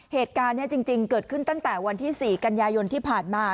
เหตุการณ์นี้จริงเกิดขึ้นตั้งแต่วันที่๔กันยายนที่ผ่านมา